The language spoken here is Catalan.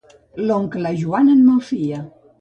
L'oncle Joan en malfia.